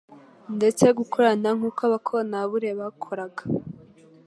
ndetse gukorana nk'uko abakontabule bakoraga